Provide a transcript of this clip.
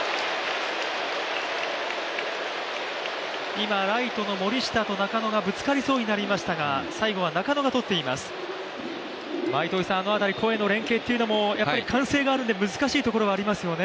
今、ライトの森下と中野がぶつかりそうになりましたが最後は中野がとっています、あの辺り、声の連携というのも歓声があるので難しいところはありますよね。